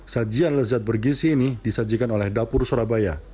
sajian lezat bergisi ini disajikan oleh dapur surabaya